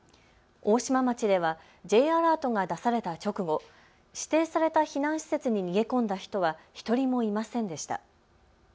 大島町ではＪアラートが出された直後、指定された避難施設に逃げ込んだ人は１人もいませんでした。